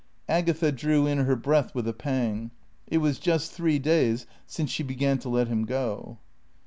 Agatha drew in her breath with a pang. It was just three days since she began to let him go.